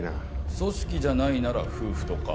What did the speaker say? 組織じゃないなら夫婦とか。